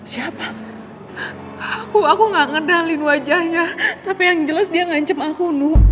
siapa aku aku nggak ngedalin wajahnya tapi yang jelas dia ngancem aku nu